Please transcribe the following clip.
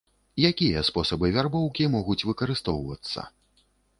Якія спосабы вярбоўкі могуць выкарыстоўвацца?